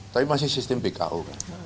tapi masih sistem bko